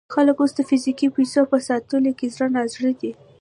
خلک اوس د فزیکي پیسو په ساتلو کې زړه نا زړه دي.